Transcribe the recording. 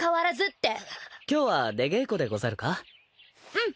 うん。